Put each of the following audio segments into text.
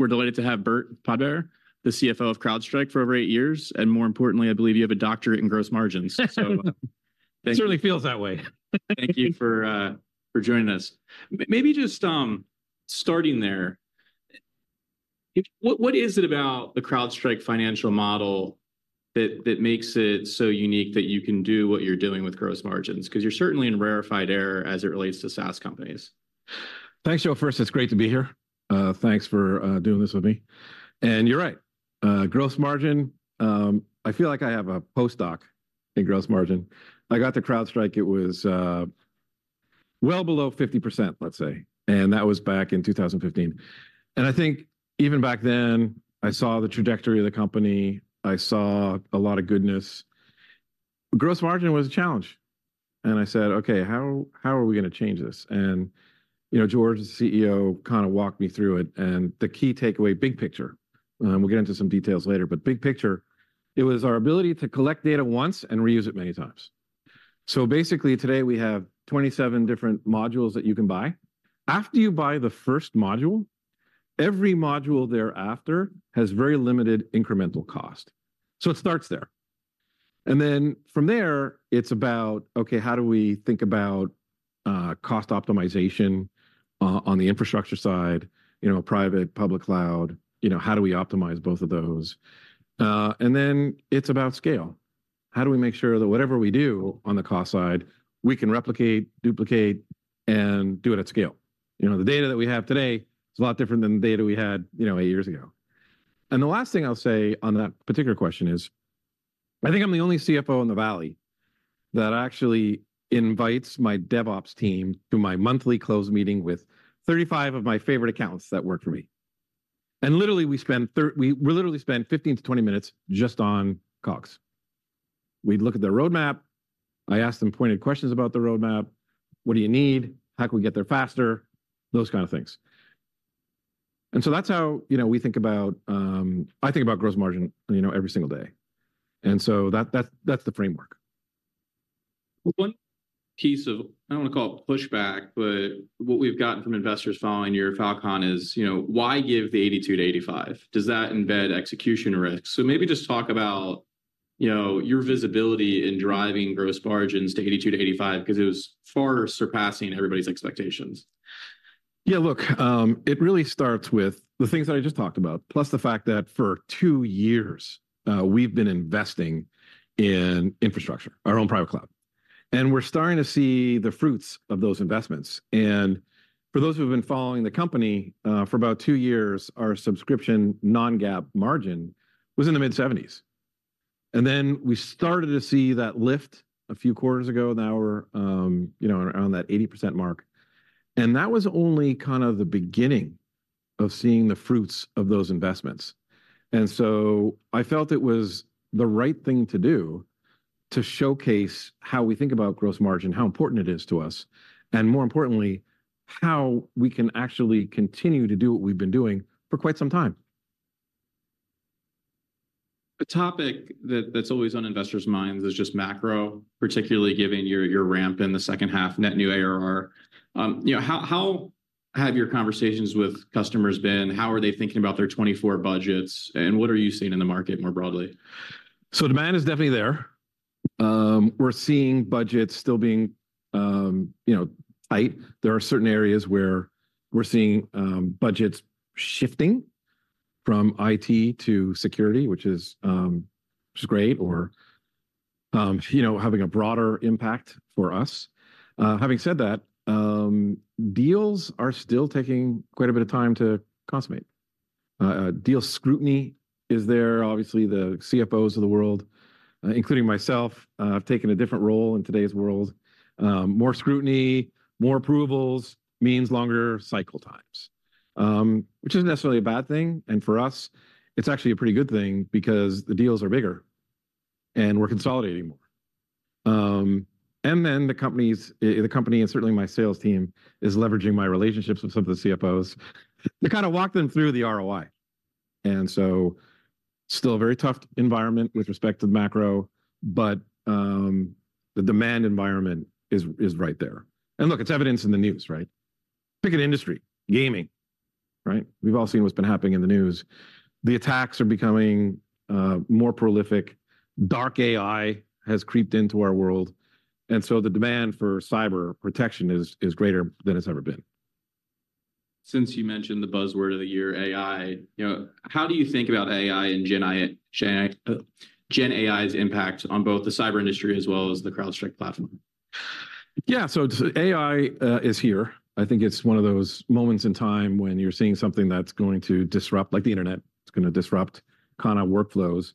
We're delighted to have Burt Podbere, the CFO of CrowdStrike for over eight years, and more importantly, I believe you have a doctorate in gross margins. So thank you. It certainly feels that way. Thank you for joining us. Maybe just starting there, what is it about the CrowdStrike financial model that makes it so unique that you can do what you're doing with gross margins? 'Cause you're certainly in rarefied air as it relates to SaaS companies. Thanks, Joe. First, it's great to be here. Thanks for doing this with me. And you're right, gross margin, I feel like I have a postdoc in gross margin. I got to CrowdStrike, it was well below 50%, let's say, and that was back in 2015. And I think even back then, I saw the trajectory of the company, I saw a lot of goodness. Gross margin was a challenge, and I said, "Okay, how are we gonna change this?" And, you know, George, the CEO, kind of walked me through it, and the key takeaway, big picture, we'll get into some details later, but big picture, it was our ability to collect data once and reuse it many times. So basically today we have 27 different modules that you can buy. After you buy the first module, every module thereafter has very limited incremental cost. So it starts there. And then from there, it's about, okay, how do we think about, cost optimization, on the infrastructure side, you know, private, public cloud, you know, how do we optimize both of those? And then it's about scale. How do we make sure that whatever we do on the cost side, we can replicate, duplicate, and do it at scale? You know, the data that we have today is a lot different than the data we had, you know, eight years ago. And the last thing I'll say on that particular question is, I think I'm the only CFO in the valley that actually invites my DevOps team to my monthly closed meeting with 35 of my favorite accounts that work for me. Literally, we spend 15-20 minutes just on COGS. We'd look at their roadmap, I ask them pointed questions about the roadmap: What do you need? How can we get there faster? Those kind of things. And so that's how, you know, I think about gross margin, you know, every single day. And so that, that's the framework. One piece of, I don't want to call it pushback, but what we've gotten from investors following your Falcon is, you know, why give the 82%-85%? Does that embed execution risk? So maybe just talk about, you know, your visibility in driving gross margins to 82%-85%, 'cause it was far surpassing everybody's expectations. Yeah, look, it really starts with the things that I just talked about, plus the fact that for two years, we've been investing in infrastructure, our own private cloud, and we're starting to see the fruits of those investments. For those who have been following the company for about two years, our subscription non-GAAP margin was in the mid-70%s. Then we started to see that lift a few quarters ago. Now we're, you know, around that 80% mark, and that was only kind of the beginning of seeing the fruits of those investments. So I felt it was the right thing to do to showcase how we think about gross margin, how important it is to us, and more importantly, how we can actually continue to do what we've been doing for quite some time. A topic that's always on investors' minds is just macro, particularly given your ramp in the second half, Net New ARR. You know, how have your conversations with customers been? How are they thinking about their 2024 budgets, and what are you seeing in the market more broadly? So demand is definitely there. We're seeing budgets still being, you know, tight. There are certain areas where we're seeing, budgets shifting from IT to security, which is, which is great, or, you know, having a broader impact for us. Having said that, deals are still taking quite a bit of time to consummate. Deal scrutiny is there. Obviously, the CFOs of the world, including myself, have taken a different role in today's world. More scrutiny, more approvals means longer cycle times, which isn't necessarily a bad thing, and for us, it's actually a pretty good thing because the deals are bigger and we're consolidating more. And then the company, and certainly my sales team, is leveraging my relationships with some of the CFOs to kind of walk them through the ROI. So still a very tough environment with respect to the macro, but the demand environment is right there. And look, it's evidenced in the news, right? Pick an industry, gaming, right? We've all seen what's been happening in the news. The attacks are becoming more prolific. Dark AI has creeped into our world, and so the demand for cyber protection is greater than it's ever been. Since you mentioned the buzzword of the year, AI, you know, how do you think about AI and Gen AI's impact on both the cyber industry as well as the CrowdStrike platform? Yeah, so AI is here. I think it's one of those moments in time when you're seeing something that's going to disrupt, like the internet, it's gonna disrupt kind of workflows.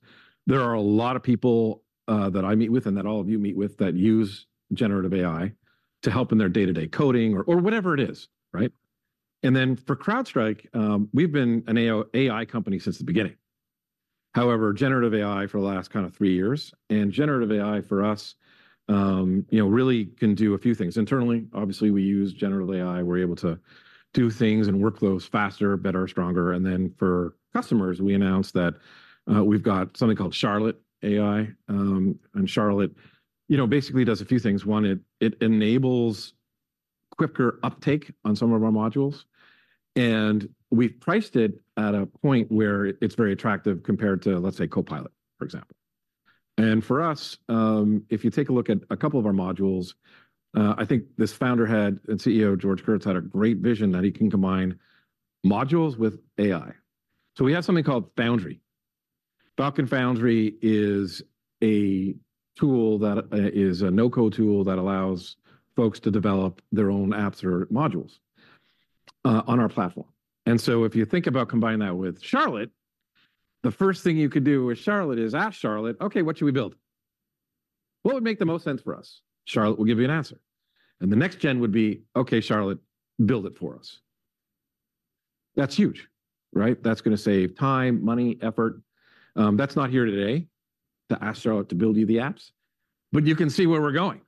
There are a lot of people that I meet with, and that all of you meet with, that use generative AI to help in their day-to-day coding or whatever it is, right? And then for CrowdStrike, we've been an AI company since the beginning. However, generative AI for the last kind of three years, and generative AI for us, you know, really can do a few things. Internally, obviously, we use generative AI, we're able to do things and workflows faster, better, stronger. And then for customers, we announced that we've got something called Charlotte AI. And Charlotte, you know, basically does a few things. One, it enables quicker uptake on some of our modules, and we've priced it at a point where it's very attractive compared to, let's say, Copilot, for example. And for us, if you take a look at a couple of our modules, I think this founder had, and CEO George Kurtz had a great vision that he can combine modules with AI. So we have something called Foundry. Falcon Foundry is a tool that is a no-code tool that allows folks to develop their own apps or modules on our platform. And so if you think about combining that with Charlotte, the first thing you could do with Charlotte is ask Charlotte, "Okay, what should we build? What would make the most sense for us?" Charlotte will give you an answer. And the next gen would be, "Okay, Charlotte, build it for us." That's huge, right? That's gonna save time, money, effort. That's not here today, to ask Charlotte to build you the apps, but you can see where we're going.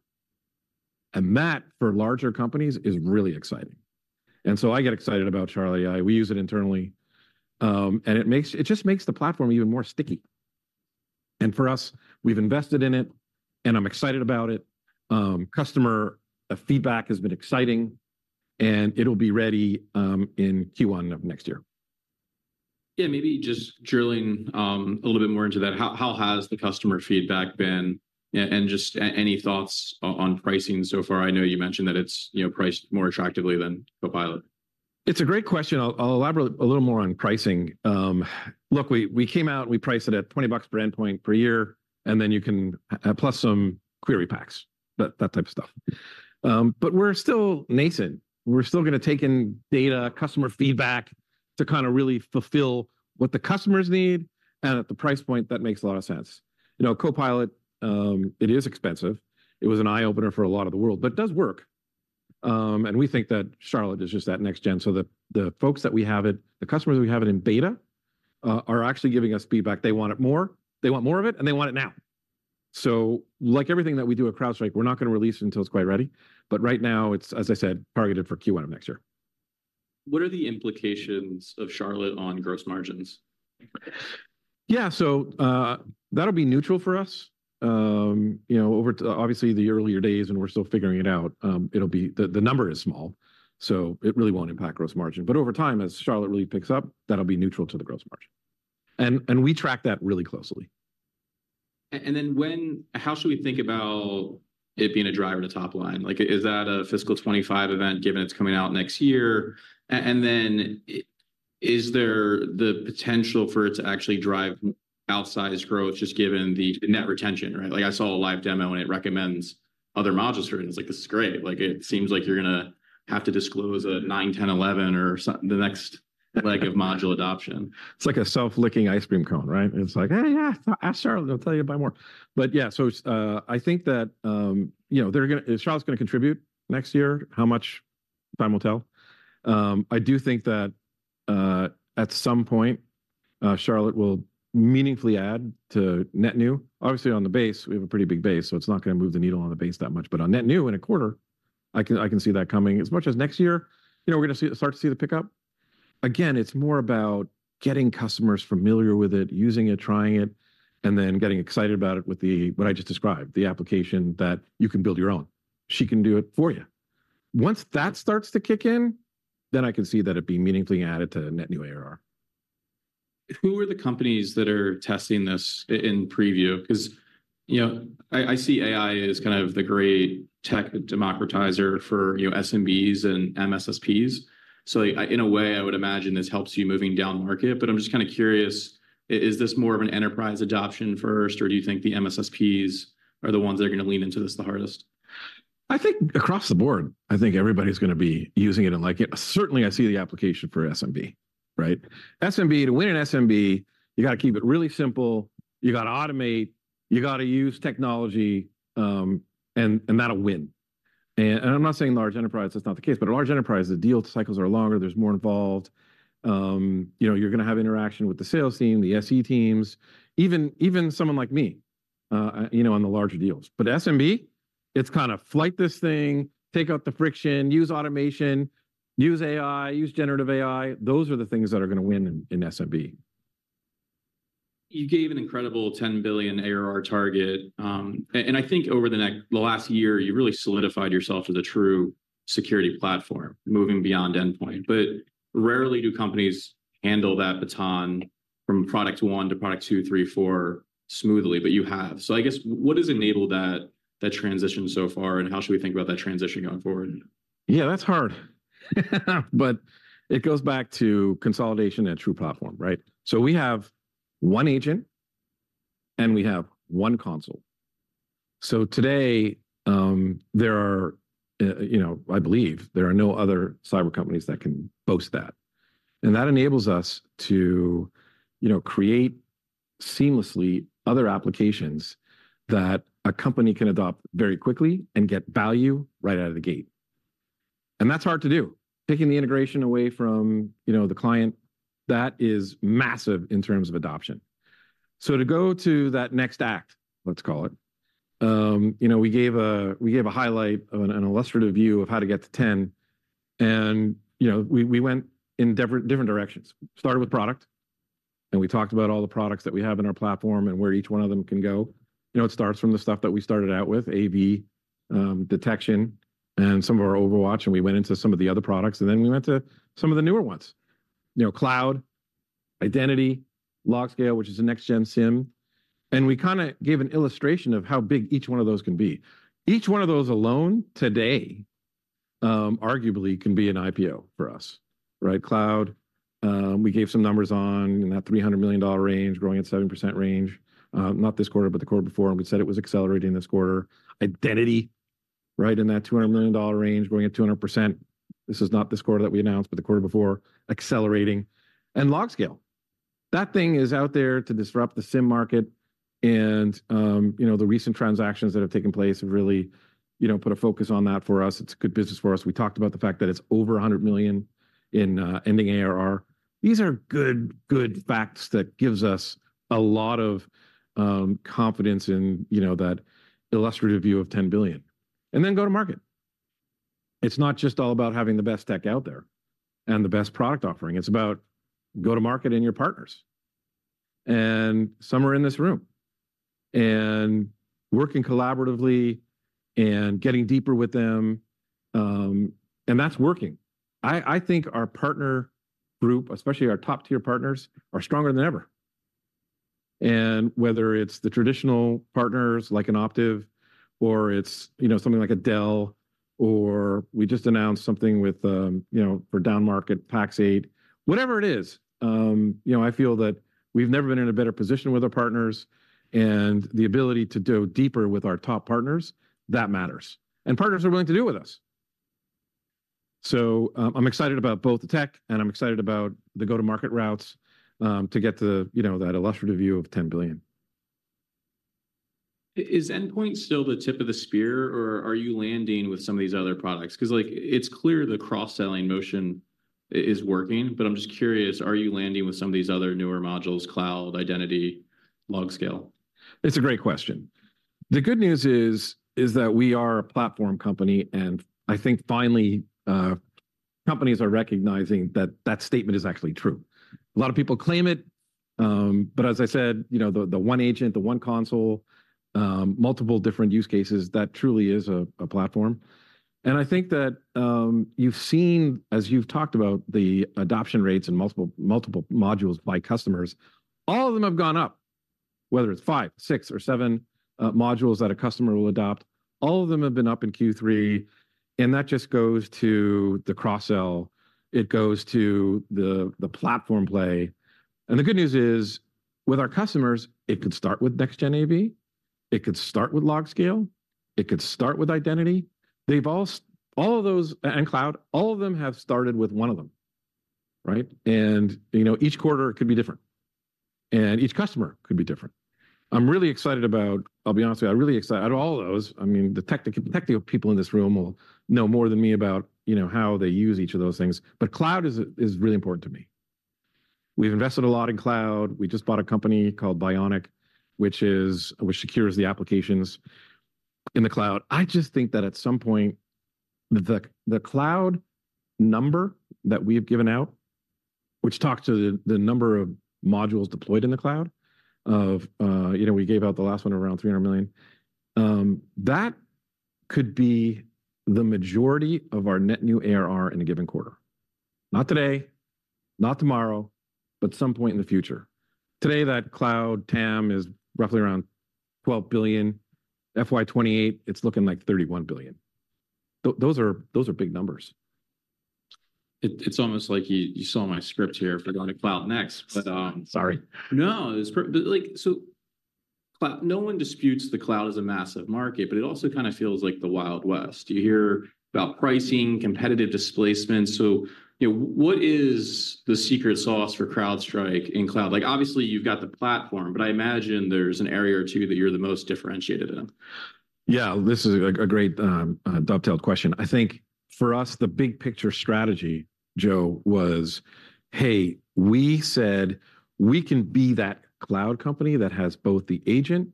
And that, for larger companies, is really exciting. And so I get excited about Charlotte AI. We use it internally. And it just makes the platform even more sticky. And for us, we've invested in it, and I'm excited about it. Customer feedback has been exciting, and it'll be ready in Q1 of next year. Yeah, maybe just drilling a little bit more into that, how has the customer feedback been? And just any thoughts on pricing so far? I know you mentioned that it's, you know, priced more attractively than Copilot. It's a great question. I'll elaborate a little more on pricing. Look, we came out, we priced it at $20 per endpoint per year, and then you can plus some query packs, that type of stuff. But we're still nascent. We're still gonna take in data, customer feedback, to kind of really fulfill what the customers need, and at the price point that makes a lot of sense. You know, Copilot, it is expensive. It was an eye-opener for a lot of the world, but it does work. And we think that Charlotte is just that next gen, so the folks that we have it, the customers that we have it in beta, are actually giving us feedback. They want it more. They want more of it, and they want it now. So like everything that we do at CrowdStrike, we're not gonna release it until it's quite ready. But right now it's, as I said, targeted for Q1 of next year. What are the implications of Charlotte on gross margins? Yeah, so, that'll be neutral for us. You know, obviously, the earlier days, and we're still figuring it out. The number is small, so it really won't impact gross margin. But over time, as Charlotte really picks up, that'll be neutral to the gross margin. And we track that really closely. And then how should we think about it being a driver to top line? Like, is that a fiscal 2025 event, given it's coming out next year? And then, is there the potential for it to actually drive outsized growth, just given the net retention, right? Like, I saw a live demo, and it recommends other module screens. Like, this is great. Like, it seems like you're gonna have to disclose a nine, 10, 11 or the next, like, of module adoption. It's like a self-licking ice cream cone, right? It's like, "Oh, yeah, ask Charlotte, it'll tell you to buy more." But yeah, so, I think that, you know, they're gonna- Charlotte's gonna contribute next year. How much? Time will tell. I do think that, at some point, Charlotte will meaningfully add to Net New. Obviously, on the base, we have a pretty big base, so it's not gonna move the needle on the base that much. But on Net New in a quarter, I can see that coming. As much as next year, you know, we're gonna start to see the pickup. Again, it's more about getting customers familiar with it, using it, trying it, and then getting excited about it with the, what I just described, the application that you can build your own. She can do it for you. Once that starts to kick in, then I can see that it'd be meaningfully added to the Net New ARR. Who are the companies that are testing this in preview? Because, you know, I see AI as kind of the great tech democratizer for, you know, SMBs and MSSPs. So in a way, I would imagine this helps you moving down market, but I'm just kind of curious, is this more of an enterprise adoption first, or do you think the MSSPs are the ones that are gonna lean into this the hardest? I think across the board, I think everybody's gonna be using it and like it. Certainly, I see the application for SMB, right? SMB, to win an SMB, you gotta keep it really simple, you gotta automate, you gotta use technology, and that'll win. And I'm not saying large enterprise, that's not the case, but a large enterprise, the deal cycles are longer, there's more involved. You know, you're gonna have interaction with the sales team, the SE teams, even someone like me, you know, on the larger deals. But SMB, it's kind of flight this thing, take out the friction, use automation, use AI, use Generative AI. Those are the things that are gonna win in SMB. You gave an incredible $10 billion ARR target, and I think over the last year, you really solidified yourself as a true security platform, moving beyond endpoint. But rarely do companies handle that baton from product 1 to product 2, 3, 4 smoothly, but you have. So I guess what has enabled that, that transition so far, and how should we think about that transition going forward? Yeah, that's hard. But it goes back to consolidation and true platform, right? So we have one agent, and we have one console. So today, there are, you know, I believe there are no other cyber companies that can boast that. And that enables us to, you know, create seamlessly other applications that a company can adopt very quickly and get value right out of the gate, and that's hard to do. Taking the integration away from, you know, the client, that is massive in terms of adoption. So to go to that next act, let's call it, you know, we gave a highlight of an illustrative view of how to get to 10. And, you know, we, we went in different directions. Started with product and we talked about all the products that we have in our platform and where each one of them can go. You know, it starts from the stuff that we started out with, AV, detection, and some of our OverWatch, and we went into some of the other products, and then we went to some of the newer ones. You know, cloud, identity, LogScale, which is a Next-Gen SIEM, and we kind of gave an illustration of how big each one of those can be. Each one of those alone today, arguably can be an IPO for us, right? Cloud, we gave some numbers on, in that $300 million range, growing at 7% range, not this quarter, but the quarter before, and we said it was accelerating this quarter. Identity, right in that $200 million range, growing at 200%. This is not this quarter that we announced, but the quarter before, accelerating. And LogScale, that thing is out there to disrupt the SIEM market and, you know, the recent transactions that have taken place have really, you know, put a focus on that for us. It's a good business for us. We talked about the fact that it's over $100 million in ending ARR. These are good, good facts that gives us a lot of confidence in, you know, that illustrative view of $10 billion. And then go-to-market. It's not just all about having the best tech out there and the best product offering, it's about go-to-market and your partners. And some are in this room, and working collaboratively and getting deeper with them, and that's working. I think our partner group, especially our top-tier partners, are stronger than ever. And whether it's the traditional partners like an Optiv, or it's, you know, something like a Dell, or we just announced something with, you know, for downmarket Pax8, whatever it is, you know. I feel that we've never been in a better position with our partners, and the ability to go deeper with our top partners, that matters. And partners are willing to do with us. So, I'm excited about both the tech and I'm excited about the go-to-market routes, to get to, you know, that illustrative view of $10 billion. Is Endpoint still the tip of the spear, or are you landing with some of these other products? 'Cause, like, it's clear the cross-selling motion is working, but I'm just curious, are you landing with some of these other newer modules: cloud, identity, LogScale? It's a great question. The good news is, is that we are a platform company, and I think finally, companies are recognizing that that statement is actually true. A lot of people claim it, but as I said, you know, the one agent, the one console, multiple different use cases, that truly is a platform. And I think that, you've seen, as you've talked about the adoption rates and multiple, multiple modules by customers, all of them have gone up, whether it's five, six, or seven, modules that a customer will adopt, all of them have been up in Q3, and that just goes to the cross-sell, it goes to the, the platform play. And the good news is, with our customers, it could start with Next-Gen AV, it could start with LogScale, it could start with identity. They've all all of those and cloud, all of them have started with one of them, right? And, you know, each quarter could be different, and each customer could be different. I'm really excited about. I'll be honest with you, I'm really excited out of all of those, I mean, the technical people in this room will know more than me about, you know, how they use each of those things, but cloud is really important to me. We've invested a lot in cloud. We just bought a company called Bionic, which secures the applications in the cloud. I just think that at some point, the cloud number that we've given out, which talks to the, the number of modules deployed in the cloud, you know, we gave out the last one around 300 million, that could be the majority of our Net New ARR in a given quarter. Not today, not tomorrow, but some point in the future. Today, that cloud TAM is roughly around $12 billion. FY 2028, it's looking like $31 billion. Those are big numbers. It's almost like you saw my script here for going to cloud next. Sorry. No, it's but, like, so cloud no one disputes the cloud is a massive market, but it also kind of feels like the wild west. You hear about pricing, competitive displacement. So, you know, what is the secret sauce for CrowdStrike in cloud? Like, obviously, you've got the platform, but I imagine there's an area or two that you're the most differentiated in. Yeah, this is a great dovetail question. I think for us, the big picture strategy, Joe, was, hey, we said we can be that cloud company that has both the agent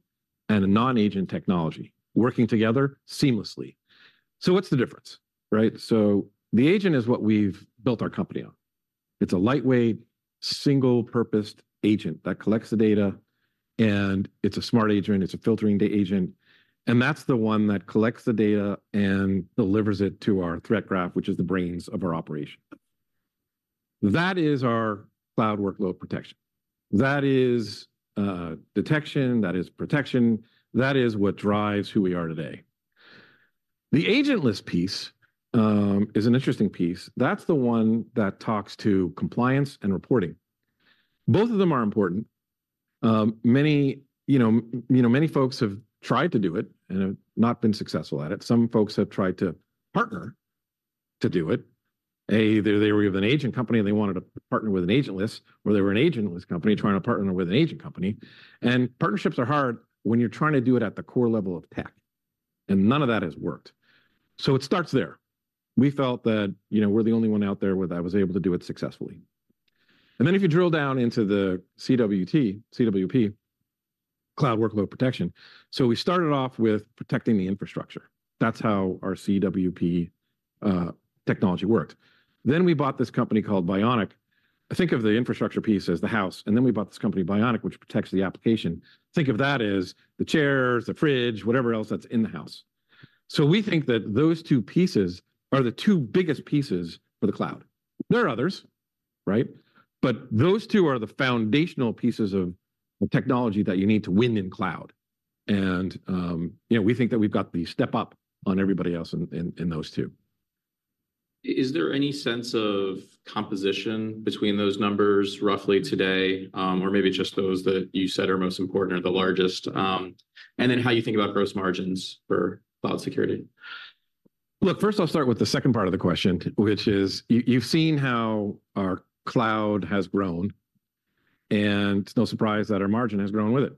and a non-agent technology working together seamlessly. So what's the difference, right? So the agent is what we've built our company on. It's a lightweight, single-purposed agent that collects the data, and it's a smart agent, it's a filtering the agent, and that's the one that collects the data and delivers it to our Threat Graph, which is the brains of our operation. That is our cloud workload protection. That is detection, that is protection, that is what drives who we are today. The agentless piece is an interesting piece. That's the one that talks to compliance and reporting. Both of them are important. Many, you know, many folks have tried to do it and have not been successful at it. Some folks have tried to partner to do it. They were of an agent company, and they wanted to partner with an agentless, or they were an agentless company trying to partner with an agent company. And partnerships are hard when you're trying to do it at the core level of tech, and none of that has worked. So it starts there. We felt that, you know, we're the only one out there that was able to do it successfully. And then, if you drill down into the CWP, Cloud Workload Protection. So we started off with protecting the infrastructure. That's how our CWP technology worked. Then we bought this company called Bionic. Think of the infrastructure piece as the house, and then we bought this company, Bionic, which protects the application. Think of that as the chairs, the fridge, whatever else that's in the house. So we think that those two pieces are the two biggest pieces for the cloud. There are others, right? But those two are the foundational pieces of the technology that you need to win in cloud. And, you know, we think that we've got the step up on everybody else in those two. Is there any sense of composition between those numbers roughly today, or maybe just those that you said are most important or the largest? And then how you think about gross margins for cloud security. Look, first, I'll start with the second part of the question, which is, you've seen how our cloud has grown, and it's no surprise that our margin has grown with it.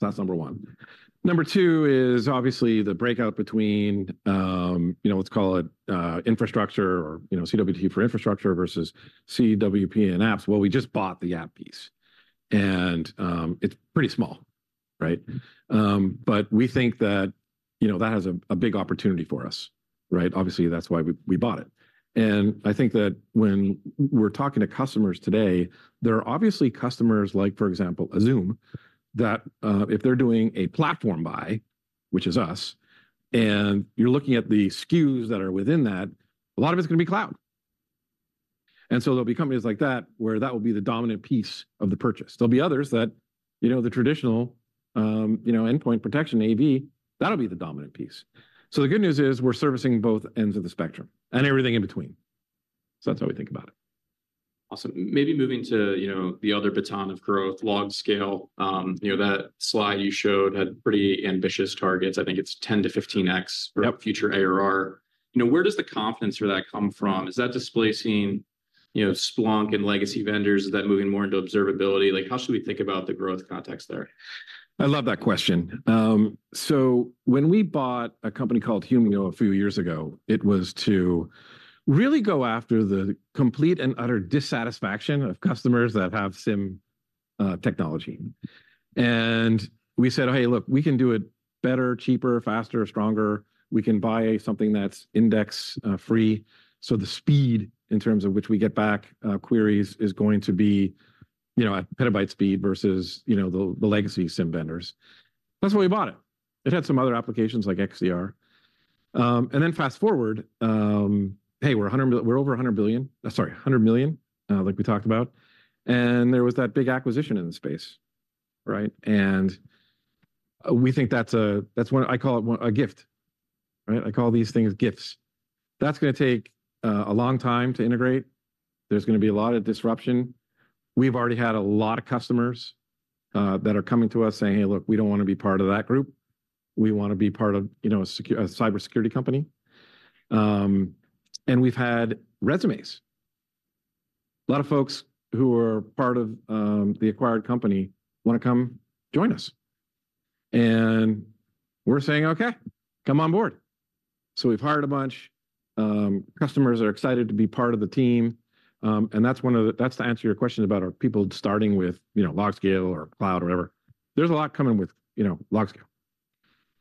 That's number one. Number two is obviously the breakout between, you know, let's call it, infrastructure or, you know, CWP for infrastructure versus CWP and apps. Well, we just bought the app piece, and, it's pretty small, right? But we think that, you know, that has a big opportunity for us, right? Obviously, that's why we, we bought it. And I think that when we're talking to customers today, there are obviously customers like, for example, a Zoom, that, if they're doing a platform buy, which is us, and you're looking at the SKUs that are within that, a lot of it's gonna be cloud. And so there'll be companies like that where that will be the dominant piece of the purchase. There'll be others that, you know, the traditional, you know, endpoint protection, AV, that'll be the dominant piece. So the good news is, we're servicing both ends of the spectrum and everything in between. So that's how we think about it. Awesome. Maybe moving to, you know, the other baton of growth, LogScale. You know, that slide you showed had pretty ambitious targets. I think it's 10x-15x future ARR. Yep You know, where does the confidence for that come from? Is that displacing, you know, Splunk and legacy vendors, is that moving more into observability? Like, how should we think about the growth context there? I love that question. So when we bought a company called Humio a few years ago, it was to really go after the complete and utter dissatisfaction of customers that have SIEM technology. And we said, "Hey, look, we can do it better, cheaper, faster, stronger. We can buy something that's index free." So the speed in terms of which we get back queries is going to be, you know, at petabyte speed versus, you know, the legacy SIEM vendors. That's why we bought it. It had some other applications like XDR. And then fast forward, hey, we're over $100 million, like we talked about, and there was that big acquisition in the space, right? And we think that's what I call it, a gift, right? I call these things gifts. That's gonna take a long time to integrate. There's gonna be a lot of disruption. We've already had a lot of customers that are coming to us saying, "Hey, look, we don't want to be part of that group. We want to be part of, you know, a cybersecurity company." And we've had resumes. A lot of folks who are part of the acquired company want to come join us. And we're saying: Okay, come on board. So we've hired a bunch. Customers are excited to be part of the team, and that's to answer your question about are people starting with, you know, LogScale or cloud, whatever. There's a lot coming with, you know, LogScale.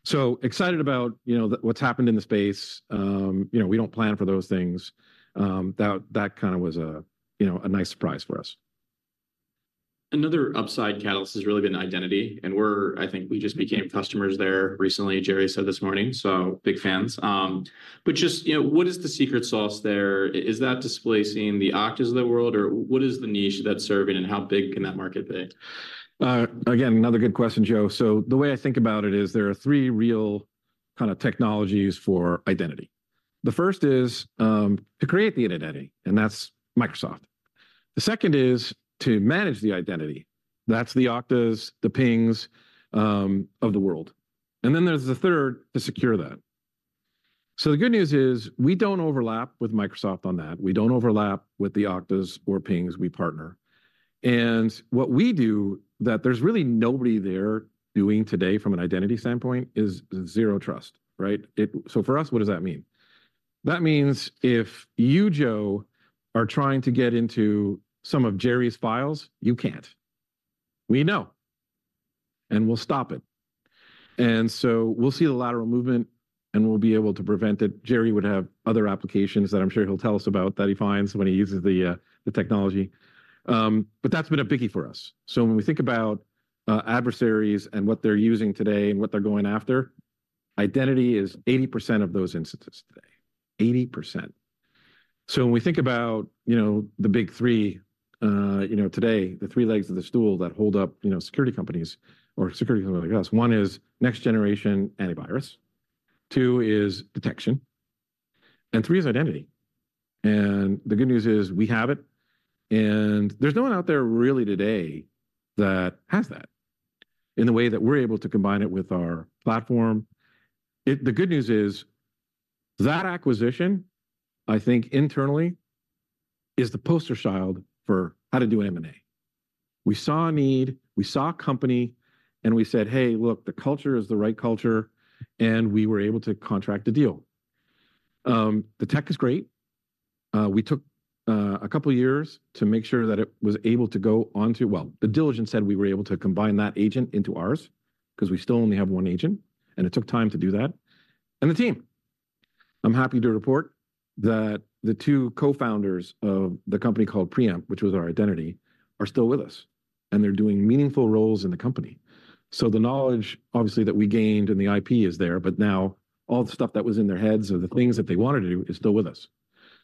So excited about, you know, what's happened in the space. You know, we don't plan for those things. That kind of was a, you know, a nice surprise for us. Another upside catalyst has really been identity, and we're, I think, we just became customers there recently. Jerry said this morning, so big fans. But just, you know, what is the secret sauce there? Is that displacing the Oktas of the world, or what is the niche that's serving, and how big can that market be? Again, another good question, Joe. So the way I think about it is there are three real kind of technologies for identity. The first is to create the identity, and that's Microsoft. The second is to manage the identity. That's the Oktas, the Pings, of the world. And then there's the third, to secure that. So the good news is, we don't overlap with Microsoft on that. We don't overlap with the Oktas or Pings, we partner. And what we do that there's really nobody there doing today from an identity standpoint is Zero Trust, right? So for us, what does that mean? That means if you, Joe, are trying to get into some of Jerry's files, you can't. We know, and we'll stop it. And so we'll see the lateral movement, and we'll be able to prevent it. Jerry would have other applications that I'm sure he'll tell us about that he finds when he uses the technology. But that's been a biggie for us. So when we think about adversaries and what they're using today and what they're going after, identity is 80% of those instances today. 80%. So when we think about, you know, the big three, you know, today, the three legs of the stool that hold up, you know, security companies or security companies like us. One is next generation antivirus, two is detection, and three is identity. And the good news is, we have it, and there's no one out there really today that has that in the way that we're able to combine it with our platform. The good news is that acquisition, I think internally, is the poster child for how to do an M&A. We saw a need, we saw a company, and we said, "Hey, look, the culture is the right culture," and we were able to contract a deal. The tech is great. We took a couple years to make sure that it was able to go onto. Well, the diligence said we were able to combine that agent into ours, 'cause we still only have one agent, and it took time to do that. And the team, I'm happy to report that the two co-founders of the company called Preempt, which was our identity, are still with us, and they're doing meaningful roles in the company. So the knowledge, obviously, that we gained and the IP is there, but now all the stuff that was in their heads or the things that they wanted to do is still with us.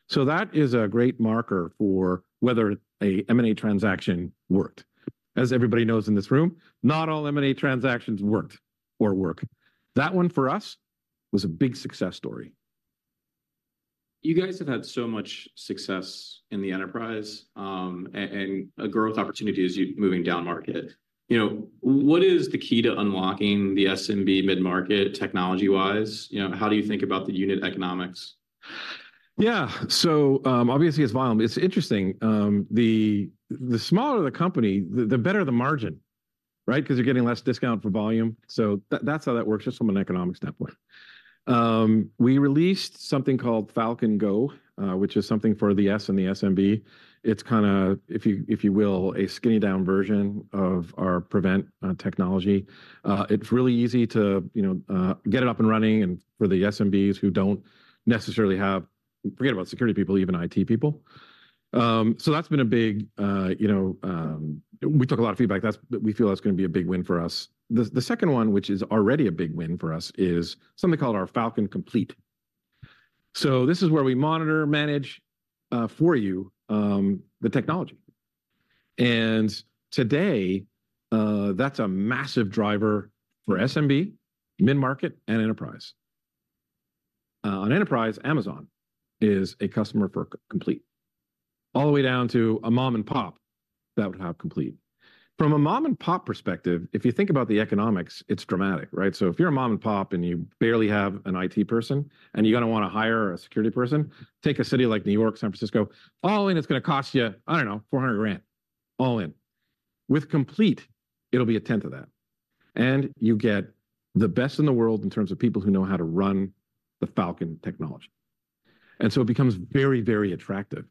So that is a great marker for whether a M&A transaction worked. As everybody knows in this room, not all M&A transactions worked or work. That one, for us, was a big success story. You guys have had so much success in the enterprise, and a growth opportunity as you're moving down market. You know, what is the key to unlocking the SMB mid-market, technology-wise? You know, how do you think about the unit economics? Yeah. So, obviously, it's volume. It's interesting, the smaller the company, the better the margin, right? 'Cause you're getting less discount for volume. So that's how that works, just from an economics standpoint. We released something called Falcon Go, which is something for the SMB. It's kinda, if you will, a skinny down version of our Prevent technology. It's really easy to, you know, get it up and running, and for the SMBs who don't necessarily have—forget about security people, even IT people. So that's been a big... you know, we took a lot of feedback. We feel that's gonna be a big win for us. The second one, which is already a big win for us, is something called our Falcon Complete. So this is where we monitor, manage, for you, the technology. And today, that's a massive driver for SMB, mid-market, and enterprise. On enterprise, Amazon is a customer for Complete, all the way down to a mom and pop that would have Complete. From a mom-and-pop perspective, if you think about the economics, it's dramatic, right? So if you're a mom and pop, and you barely have an IT person, and you're gonna wanna hire a security person, take a city like New York, San Francisco, all in, it's gonna cost you, I don't know, $400,000. All in. With Complete, it'll be a 1/10 of that, and you get the best in the world in terms of people who know how to run the Falcon technology. And so it becomes very, very attractive.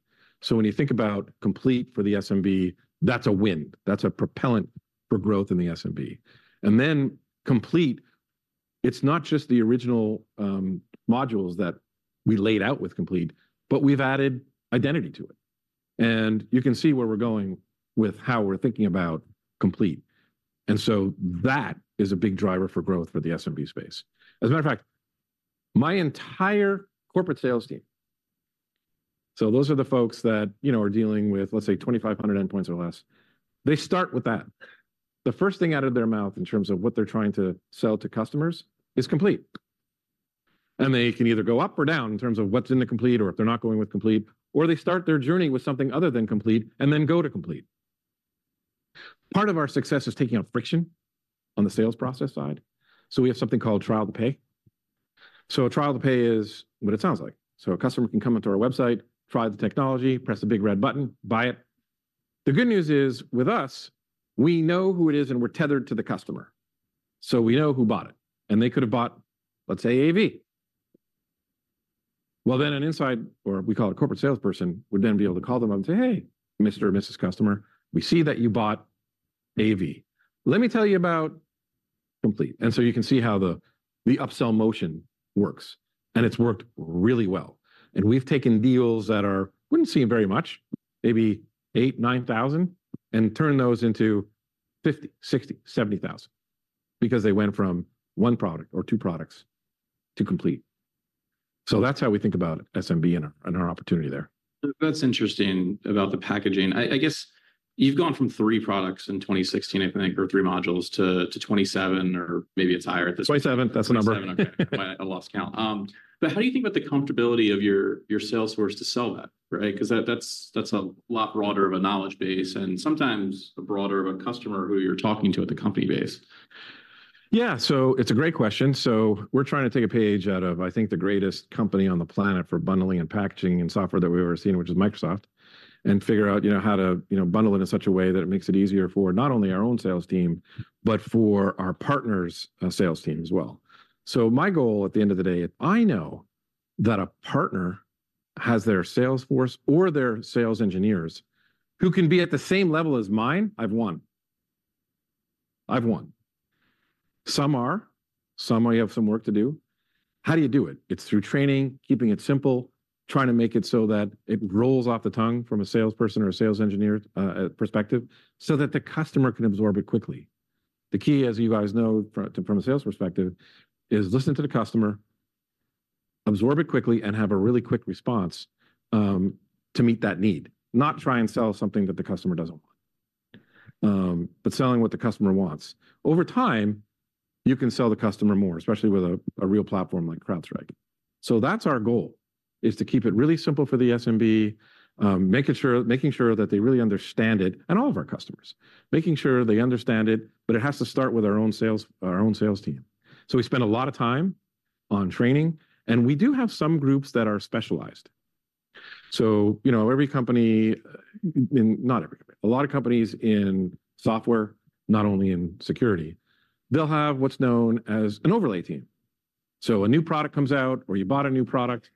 So when you think about Complete for the SMB, that's a win. That's a propellant for growth in the SMB. And then Complete, it's not just the original, modules that we laid out with Complete, but we've added identity to it. And you can see where we're going with how we're thinking about Complete. And so that is a big driver for growth for the SMB space. As a matter of fact, my entire corporate sales team, so those are the folks that, you know, are dealing with, let's say, 2,500 endpoints or less, they start with that. The first thing out of their mouth in terms of what they're trying to sell to customers is Complete. And they can either go up or down in terms of what's in the Complete or if they're not going with Complete, or they start their journey with something other than Complete, and then go to Complete. Part of our success is taking out friction on the sales process side, so we have something called trial to pay. So a trial to pay is what it sounds like. So a customer can come onto our website, try the technology, press the big red button, buy it. The good news is, with us, we know who it is, and we're tethered to the customer, so we know who bought it. And they could have bought, let's say, AV. Well, then an inside, or we call it a corporate salesperson, would then be able to call them up and say, "Hey, Mr. or Mrs. Customer, we see that you bought AV. Let me tell you about Complete. And so you can see how the upsell motion works”, and it's worked really well. And we've taken deals that wouldn't seem very much, maybe $8,000-$9,000, and turned those into $50,000, $60,000, $70,000 because they went from one product or two products to Complete. So that's how we think about SMB and our, and our opportunity there. That's interesting about the packaging. I guess you've gone from three products in 2016, I think, or three modules, to 27, or maybe it's higher at this. 27, that's the number. 27. Okay, I lost count. But how do you think about the comfortability of your salesforce to sell that, right? 'Cause that's a lot broader of a knowledge base and sometimes a broader of a customer who you're talking to at the company base. Yeah. So it's a great question. So we're trying to take a page out of, I think, the greatest company on the planet for bundling and packaging and software that we've ever seen, which is Microsoft, and figure out, you know, how to, you know, bundle it in such a way that it makes it easier for not only our own sales team, but for our partner's sales team as well. So my goal, at the end of the day, if I know that a partner has their salesforce or their sales engineers who can be at the same level as mine, I've won. I've won. Some are, some I have some work to do. How do you do it? It's through training, keeping it simple, trying to make it so that it rolls off the tongue from a salesperson or a sales engineer perspective, so that the customer can absorb it quickly. The key, as you guys know, from a sales perspective, is listen to the customer, absorb it quickly, and have a really quick response to meet that need. Not try and sell something that the customer doesn't want, but selling what the customer wants. Over time, you can sell the customer more, especially with a real platform like CrowdStrike. So that's our goal, is to keep it really simple for the SMB, making sure that they really understand it, and all of our customers. Making sure they understand it, but it has to start with our own sales team. So we spend a lot of time on training, and we do have some groups that are specialized. So, you know, every company, not every company, a lot of companies in software, not only in security, they'll have what's known as an overlay team. So a new product comes out, or you bought a new product,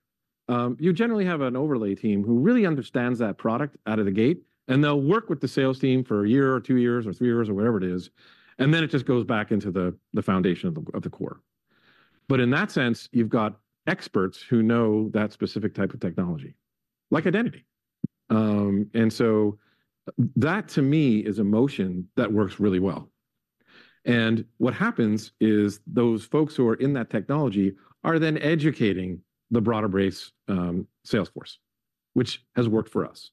you generally have an overlay team who really understands that product out of the gate, and they'll work with the sales team for a year, or two years, or three years, or whatever it is, and then it just goes back into the, the foundation of the core. But in that sense, you've got experts who know that specific type of technology, like identity. And so that, to me, is a motion that works really well. What happens is, those folks who are in that technology are then educating the broader base, sales force, which has worked for us.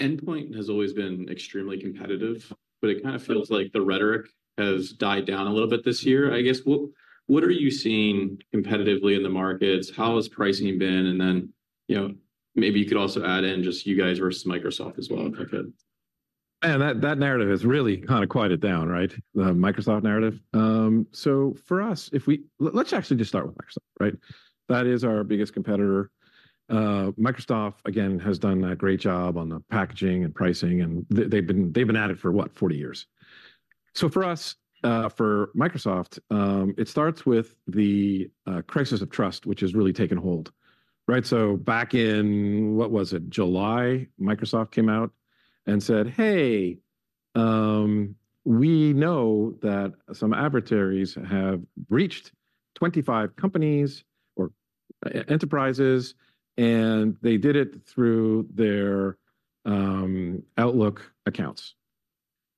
Endpoint has always been extremely competitive, but it kind of feels like the rhetoric has died down a little bit this year, I guess. What, what are you seeing competitively in the markets? How has pricing been? And then, you know, maybe you could also add in just you guys versus Microsoft as well, if I could. Man, that narrative has really kind of quieted down, right? The Microsoft narrative. So for us, let's actually just start with Microsoft, right? That is our biggest competitor. Microsoft, again, has done a great job on the packaging and pricing, and they've been at it for, what, 40 years. So for us, for Microsoft, it starts with the crisis of trust, which has really taken hold, right? So back in, what was it? July, Microsoft came out and said, "Hey, we know that some adversaries have breached 25 companies or enterprises, and they did it through their Outlook accounts."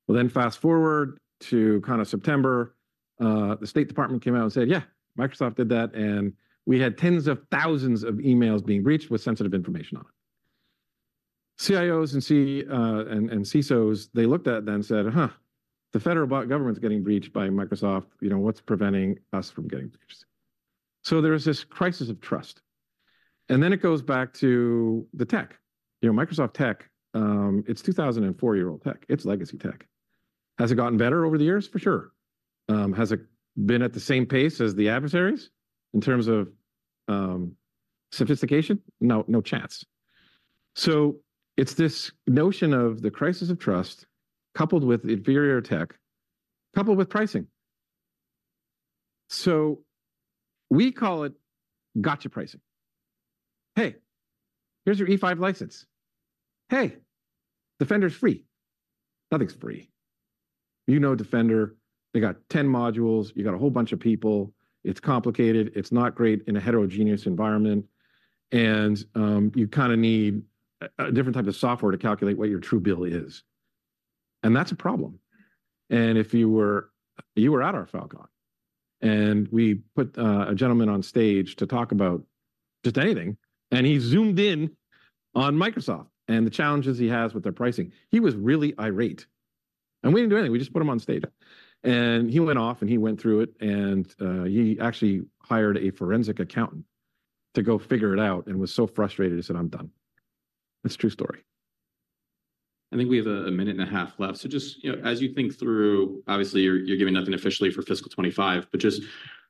Well, then fast-forward to September, the State Department came out and said, "Yeah, Microsoft did that, and we had tens of thousands of emails being breached with sensitive information on it." CIOs and CSOs, they looked at it then said, "Uh-huh, the federal government's getting breached by Microsoft. You know, what's preventing us from getting breached?" So there is this crisis of trust, and then it goes back to the tech. You know, Microsoft tech, it's 2004-year-old tech. It's legacy tech. Has it gotten better over the years? For sure. Has it been at the same pace as the adversaries in terms of sophistication? No, no chance. So it's this notion of the crisis of trust, coupled with inferior tech, coupled with pricing. So we call it gotcha pricing. "Hey, here's your E5 license. Hey, Defender's free." Nothing's free. You know Defender, they got 10 modules, you got a whole bunch of people. It's complicated, it's not great in a heterogeneous environment, and you kind of need a different type of software to calculate what your true bill is and that's a problem. And if you were at our Falcon, and we put a gentleman on stage to talk about just anything, and he zoomed in on Microsoft and the challenges he has with their pricing. He was really irate, and we didn't do anything. We just put him on stage, and he went off, and he went through it, and he actually hired a forensic accountant to go figure it out and was so frustrated, he said, "I'm done." It's a true story. I think we have a minute and a half left. So just, you know, as you think through, obviously, you're giving nothing officially for fiscal 2025, but just,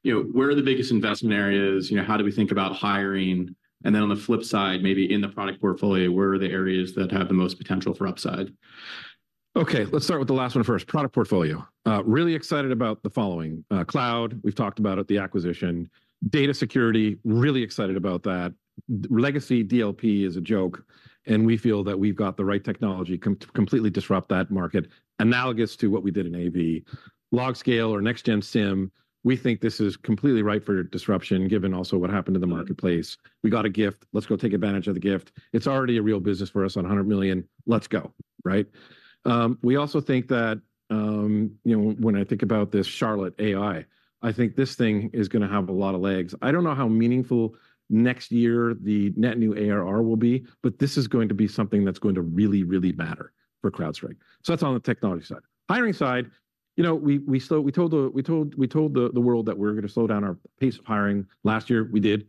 you know, where are the biggest investment areas, you know, how do we think about hiring? And then on the flip side, maybe in the product portfolio, where are the areas that have the most potential for upside? Okay, let's start with the last one first, product portfolio. Really excited about the following: cloud, we've talked about it, the acquisition. Data security, really excited about that. Legacy DLP is a joke, and we feel that we've got the right technology to completely disrupt that market, analogous to what we did in AV. LogScale or Next-Gen SIEM, we think this is completely ripe for disruption, given also what happened in the marketplace. We got a gift, let's go take advantage of the gift. It's already a real business for us, on $100 million. Let's go, right? We also think that, you know, when I think about this Charlotte AI, I think this thing is gonna have a lot of legs. I don't know how meaningful next year the Net New ARR will be, but this is going to be something that's going to really, really matter for CrowdStrike. So that's on the technology side. Hiring side, you know, we told the world that we're gonna slow down our pace of hiring. Last year, we did.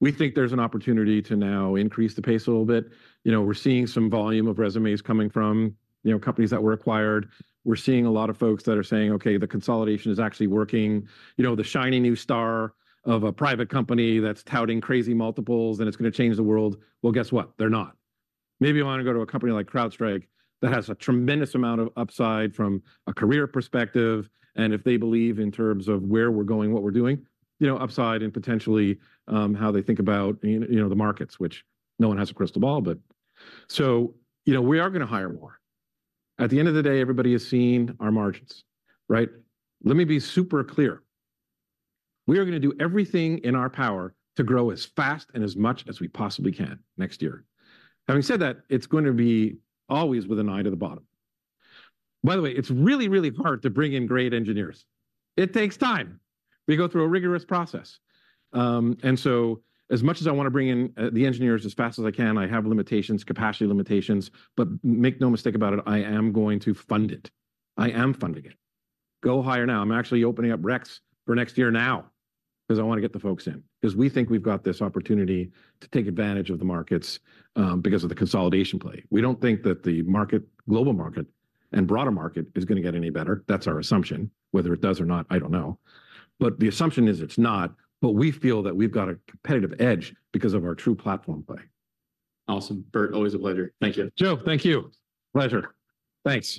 We think there's an opportunity to now increase the pace a little bit. You know, we're seeing some volume of resumes coming from, you know, companies that were acquired. We're seeing a lot of folks that are saying, "Okay, the consolidation is actually working." You know, the shiny new star of a private company that's touting crazy multiples, and it's gonna change the world, well, guess what? They're not. Maybe you want to go to a company like CrowdStrike that has a tremendous amount of upside from a career perspective, and if they believe in terms of where we're going, what we're doing, you know, upside and potentially, how they think about, you know, the markets, which no one has a crystal ball, but... So, you know, we are gonna hire more. At the end of the day, everybody has seen our margins, right? Let me be super clear. We are gonna do everything in our power to grow as fast and as much as we possibly can next year. Having said that, it's going to be always with an eye to the bottom. By the way, it's really, really hard to bring in great engineers. It takes time. We go through a rigorous process. And so, as much as I want to bring in the engineers as fast as I can, I have limitations, capacity limitations, but make no mistake about it, I am going to fund it. I am funding it. Go hire now. I'm actually opening up recs for next year now, 'cause I want to get the folks in, 'cause we think we've got this opportunity to take advantage of the markets, because of the consolidation play. We don't think that the market, global market, and broader market is gonna get any better. That's our assumption. Whether it does or not, I don't know, but the assumption is it's not, but we feel that we've got a competitive edge because of our true platform play. Awesome. Burt, always a pleasure. Thank you. Joe, thank you. Pleasure. Thanks.